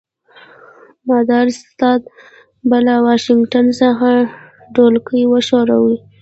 مداري استاد به له واشنګټن څخه ډولکی وښوراوه.